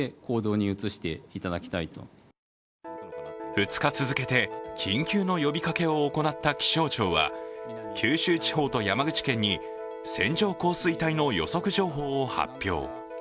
２日続けて、緊急の呼びかけを行った気象庁は、九州地方と山口県に線状降水帯の予測情報を発表。